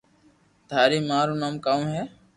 : ٿاري مان رو نوم ڪاؤ ھي